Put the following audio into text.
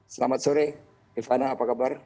selamat sore rifana apa kabar